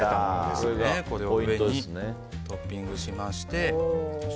これを上にトッピングしまして。